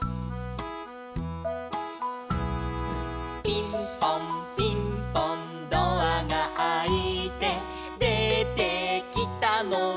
「ピンポンピンポンドアがあいて」「出てきたのは」